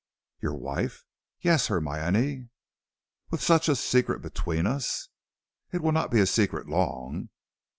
"Your wife?" "Yes, Hermione." "With such a secret between us?" "It will not be a secret long."